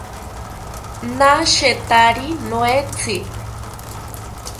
Nashetaki noetzi